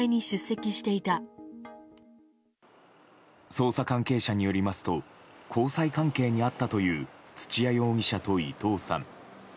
捜査関係者によりますと交際関係にあったという土屋容疑者と伊藤さん。